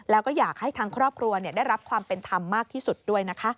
แล้วก็อยากให้ทางครอบครัวได้รับความเป็นธรรมมากที่สุดด้วยนะคะ